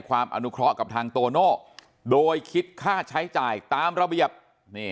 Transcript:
อนุเคราะห์กับทางโตโน่โดยคิดค่าใช้จ่ายตามระเบียบ